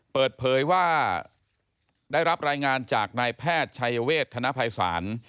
เปิดเผยว่าได้รับรายงานจากนายแพทย์ชัยเวทธนภัยศาล